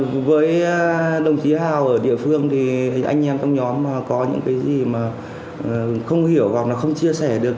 với đồng chí hảo ở địa phương thì anh em trong nhóm có những cái gì mà không hiểu hoặc là không chia sẻ được